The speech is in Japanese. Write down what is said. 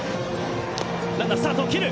ランナー、スタートを切る！